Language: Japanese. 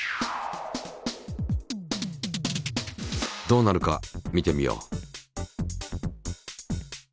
どうなるか見てみよう。